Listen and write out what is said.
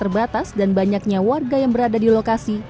terbatas dan banyaknya warga yang berada di lokasi